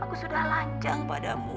aku sudah lancang padamu